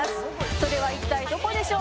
それは一体どこでしょう？